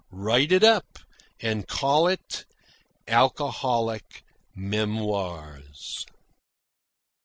Write it up and call it 'Alcoholic Memoirs.'"